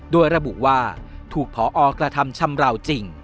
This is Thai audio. โดยระบุว่าถูกพอกระทำชำราวจริง